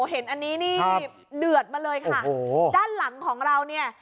เห็นอันนี้นี่เดือดมาเลยค่ะโอ้โหด้านหลังของเราเนี่ย